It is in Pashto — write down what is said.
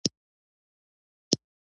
شپه او ورځ هغه کسان د عبدالله پر کور را ګرځي.